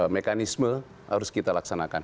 mekanisme harus kita laksanakan